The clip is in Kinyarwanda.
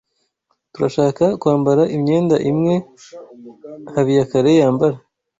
Turashaka kwambara imyenda imwe Habiyakare yambara.